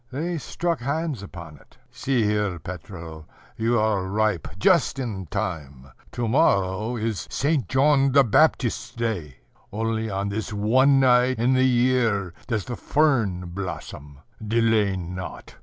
They struck hands upon it. "See here, Petro, you are ripe just in time: to morrow is St. John the Baptist's day. Only on this one night in the year does the fern blossom. Delay not.